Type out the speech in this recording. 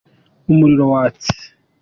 Umuriro watse.